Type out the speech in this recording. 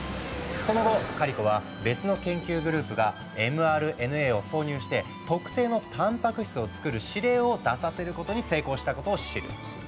その後カリコは別の研究グループがｍＲＮＡを挿入して特定のたんぱく質をつくる指令を出させることに成功したことを知る。